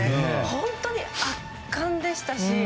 本当に、圧巻でしたし。